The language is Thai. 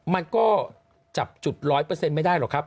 มันก็จับจุด๑๐๐ไม่ได้หรอกครับ